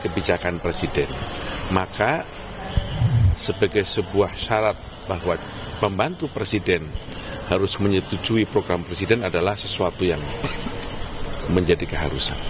kebijakan presiden maka sebagai sebuah syarat bahwa pembantu presiden harus menyetujui program presiden adalah sesuatu yang menjadi keharusan